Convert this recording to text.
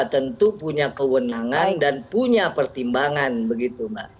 tentu punya kewenangan dan punya pertimbangan begitu mbak